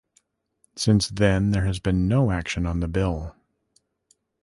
Since then there has been no action on the bill.